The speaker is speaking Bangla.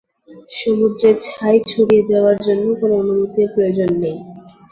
সমুদ্রে ছাই ছড়িয়ে দেওয়ার জন্য কোন অনুমতির প্রয়োজন নেই।